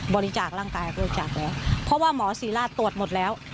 บริจาคร่างกายบริจาคแล้วเพราะว่าหมอศรีราชตรวจหมดแล้ว